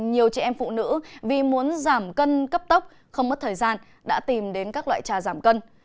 nhiều chị em phụ nữ vì muốn giảm cân cấp tốc không mất thời gian đã tìm đến các loại trà giảm cân